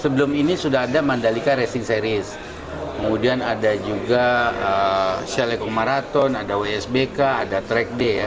sebelum ini sudah ada mandalika racing series kemudian ada juga sel eco marathon ada wsbk ada track day ya